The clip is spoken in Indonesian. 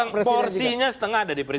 yang porsinya setengah ada di presiden